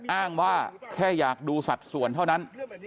อ้างว่าแค่อยากดูสัดส่วนเท่านั้น